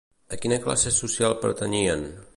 A quina classe social pertanyien?